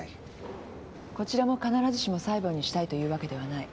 こちらも必ずしも裁判にしたいというわけではない。